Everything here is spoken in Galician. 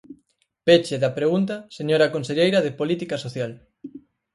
Peche da pregunta, señora conselleira de Política Social.